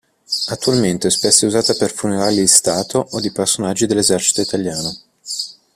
Attualmente è spesso usata per funerali di stato o di personaggi dell'Esercito Italiano.